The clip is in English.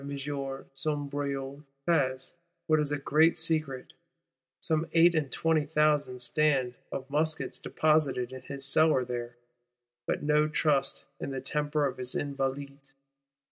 M. de Sombreuil has, what is a great secret, some eight and twenty thousand stand of muskets deposited in his cellars there; but no trust in the temper of his Invalides.